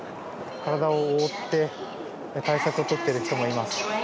体を覆って対策を取っている人もいます。